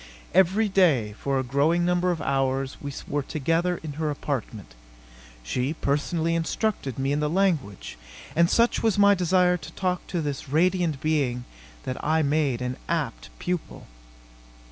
Every day, for a growing number of hours, we were together in her apartment. She personally instructed me in the language, and such was my desire to talk to this radiant being that I made an apt pupil.